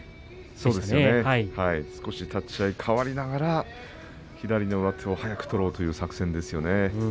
そうですね少し立ち合い変わりながら左の上手を早く取ろうという作戦ですね。